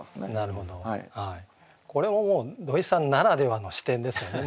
これももう土井さんならではの視点ですよね。